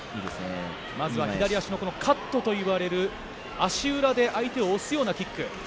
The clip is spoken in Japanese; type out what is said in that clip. まずは左足のカットと呼ばれる足裏で相手を押すようなキック。